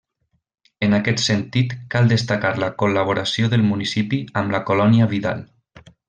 En aquest sentit cal destacar la col·laboració del municipi amb la Colònia Vidal.